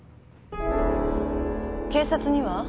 警察には？